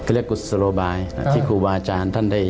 เรียกกุศโลบายที่ครูบาอาจารย์ท่านได้